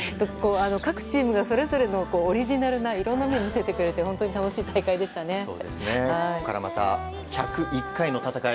各チームがそれぞれのオリジナルないろいろな面を見せてくれて本当に楽しい大会でしたね。